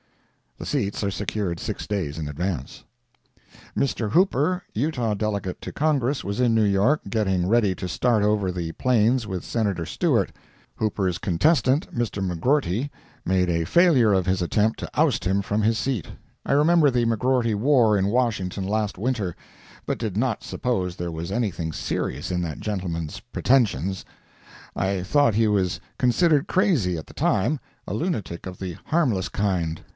The seats are secured six days in advance. Mr. Hooper, Utah Delegate to Congress, was in New York, getting ready to start over the Plains with Senator Stewart. Hooper's contestant, Mr. McGrorty, made a failure of his attempt to oust him from his seat. I remember the McGrorty war in Washington last winter, but did not suppose there was anything serious in that gentleman's pretensions. I thought he was considered crazy at the time—a lunatic of the harmless kind.